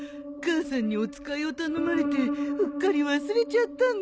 母さんにお使いを頼まれてうっかり忘れちゃったんだ。